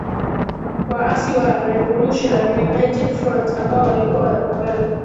waasi wa Revolutionary United Front ambao walikuwa wanapambana